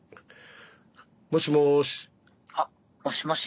もしもし。